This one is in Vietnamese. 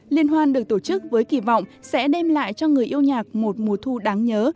liên hoan được tổ chức với kỳ vọng sẽ đem lại cho người yêu nhạc một mùa thu đáng nhớ